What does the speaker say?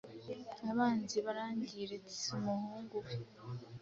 Abanzi barangiritseumuhungu we